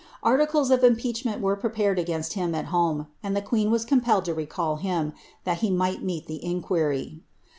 Articles of impeachment were prepared against him at home, and the queen was compelled to recall him, that he might med the inquiry.